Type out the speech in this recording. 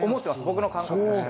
僕の感覚としては。